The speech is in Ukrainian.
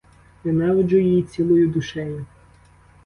Ненавиджу її цілою душею.